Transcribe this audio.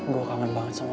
gue kangen banget sama